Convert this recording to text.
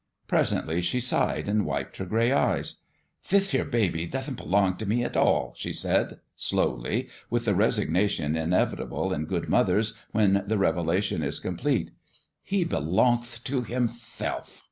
Presently she sighed and wiped her gray eyes. " Thith here baby dothn't belong t' me at all," she said, slowly, with the resignation inevitable in good mothers when the revelation is complete ;" he belongthtohimthelf!